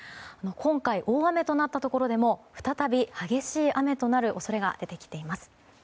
今回、大雨となったところでも再び激しい雨となる恐れが出てきています。